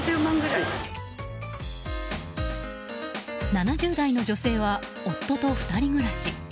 ７０代の女性は夫と２人暮らし。